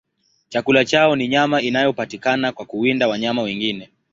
Chakula chao ni nyama inayopatikana kwa kuwinda wanyama wengine.